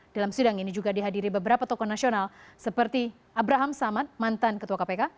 dalam sidang ini juga dihadiri beberapa tokoh nasional seperti abraham samad mantan ketua kpk